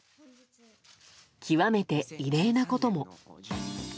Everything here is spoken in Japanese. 極めて異例なことも。